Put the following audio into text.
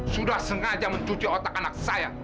sudah sengaja mencuci otak anak saya